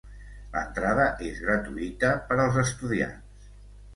L'entrada és gratuïta per als estudiants.